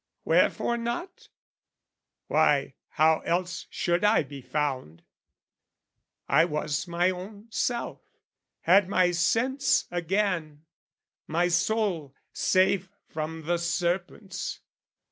Wherefore not? Why, how else should I be found? I was my own self, had my sense again, My soul safe from the serpents.